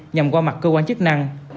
nhằm qua mặt cơ quan chức năng